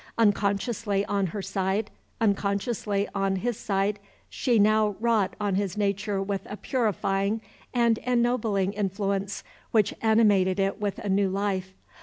Unconsciously on her side, unconsciously on his side, she now wrought on his nature with a purifying and ennobling influence which animated it with a new life.